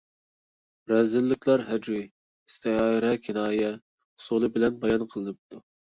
رەزىللىكلەر ھەجۋىي، ئىستىئارە، كىنايە ئۇسۇلى بىلەن بايان قىلىنىدۇ.